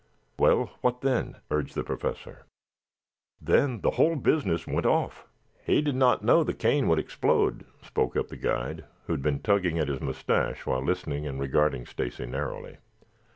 "Well, what then?" urged the Professor. "Then the whole business went off." "He did not know the cane would explode," spoke up the guide, who had been tugging at his moustache while listening and regarding Stacy narrowly.